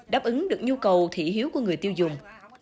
đáp ứng được nhu cầu thị hiếu của người tiêu dùng